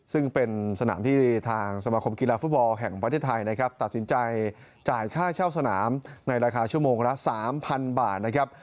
ซึ่งเป็นสนามที่ทางสมาคมกีฬาฟุตบอลแห่งประเทศไทยนะครับตัดสินใจจ่ายค่าเช่าสนามในราคาชั่วโมงละ๓๐๐บาทนะครับ